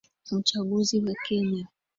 Uchaguzi wa kenya.